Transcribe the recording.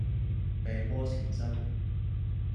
病魔纏身